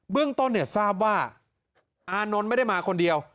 เรื่องต้นเนี่ยทราบว่าอานนท์ไม่ได้มาคนเดียว